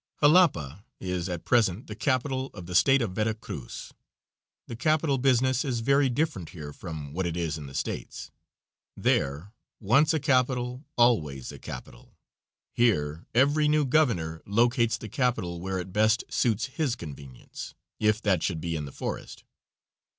Jalapa is at present the capital of the State of Vera Cruz; the capital business is very different here from what it is in the States; there, once a capital, always a capital; here, every new Governor locates the capital where it best suits his convenience, if that should be in the forest.